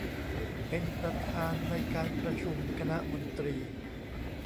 เป็นประธานในการประชุมคณะมนตรี